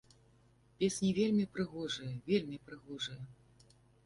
Песні вельмі прыгожыя, вельмі прыгожыя.